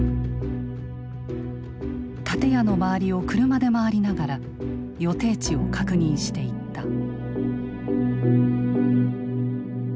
建屋の周りを車で回りながら予定地を確認していった。